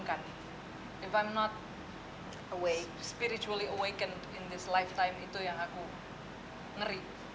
kalau saya tidak terbangunkan secara spiritual dalam hidup ini itu yang aku ngeri